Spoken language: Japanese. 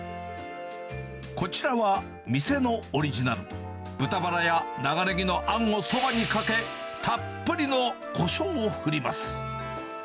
こちらは店のオリジナル、豚バラや長ネギのあんをそばにかけ、たっぷりのこしょうを振ります。